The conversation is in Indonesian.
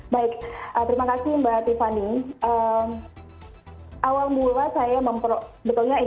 baik terima kasih mbak tiffany